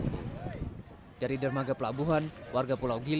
warga pulau gili masih ada yang berjalan ke pulau gili